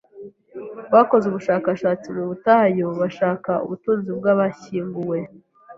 Bakoze ubushakashatsi mu butayu bashaka ubutunzi bwashyinguwe.